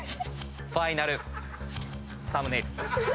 ファイナルサムネイル。